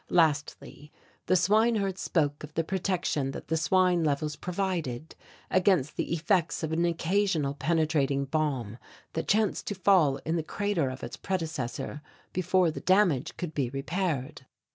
Lastly the Swineherd spoke of the protection that the swine levels provided against the effects of an occasional penetrating bomb that chanced to fall in the crater of its predecessor before the damage could be repaired.